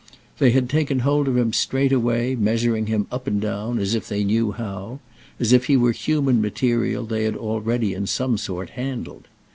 They had taken hold of him straightway measuring him up and down as if they knew how; as if he were human material they had already in some sort handled.